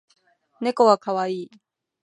猫は可愛い